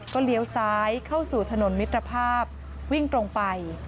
เลี้ยวซ้ายเข้าสู่ถนนมิตรภาพวิ่งตรงไป